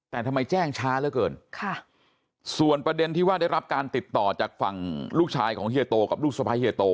แต่ทำไมแจ้งช้าเหลือเกินค่ะส่วนประเด็นที่ว่าได้รับการติดต่อจากฝั่งลูกชายของเฮียโต